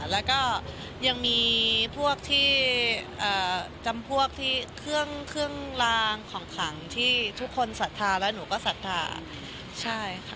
แล้วก็ยังมีพวกที่จำพวกที่เครื่องลางของขังที่ทุกคนศรัทธาและหนูก็ศรัทธาใช่ค่ะ